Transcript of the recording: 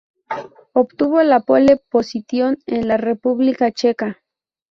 Obtuvo la pole position en la República Checa.